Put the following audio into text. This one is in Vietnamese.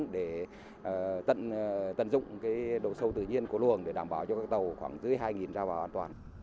để tận dụng độ sâu tự nhiên của luồng để đảm bảo cho tàu khoảng dưới hai ra vào an toàn